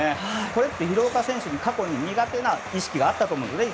これって、廣岡選手に過去、苦手意識があったからだと思うんですよね。